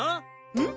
うん？